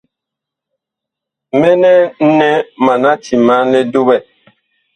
Mɛnɛ nɛ mana timan li duɓɛ.